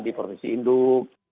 di provinsi induk